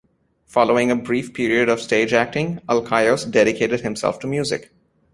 Following a brief period of stage acting, Alkaios dedicated himself to music.